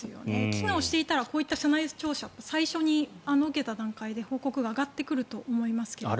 機能していたらこういった社内調査最初に受けた段階で報告が上がってくると思いますけれども。